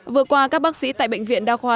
vừa qua các bác sĩ tại bệnh viện đa khoa